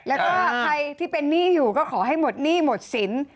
แล้วก็ใครที่เป็นหนี้อยู่ก็ขอให้หมดหนี้หมดสิน